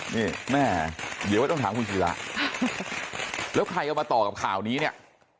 นี่แม่หรือว่าต้องถามคุณศูนย์แล้วแล้วใครก็มาต่อกับข่าวนี้เนี่ย